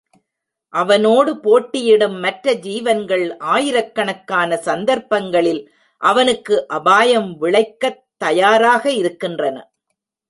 அவனோடு போட்டியிடும் மற்ற ஜீவன்கள் ஆயிரக் கணக்கான சந்தர்ப்பங்களில் அவனுக்கு அபாயம் விளைக்கத் தயாராக இருக்கின்றன.